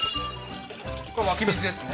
これ湧き水ですね